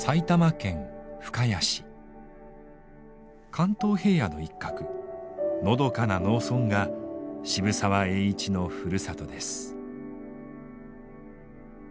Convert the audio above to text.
関東平野の一角のどかな農村が渋沢栄一のふるさとです。